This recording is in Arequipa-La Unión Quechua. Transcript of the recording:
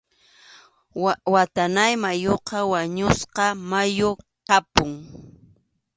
Watanáy mayuqa wañusqa mayu kapun.